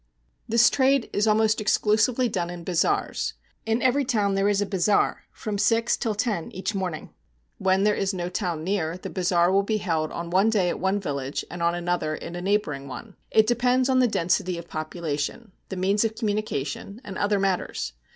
This trade is almost exclusively done in bazaars. In every town there is a bazaar, from six till ten each morning. When there is no town near, the bazaar will be held on one day at one village and on another at a neighbouring one. It depends on the density of population, the means of communication, and other matters.